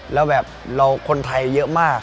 แล้วแบบเราคนไทยเยอะมาก